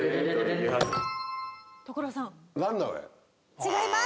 違います。